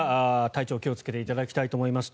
体調気をつけていただきたいと思います。